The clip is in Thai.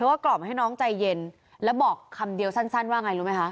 แล้วบอกจะไม่เก็บใครไว้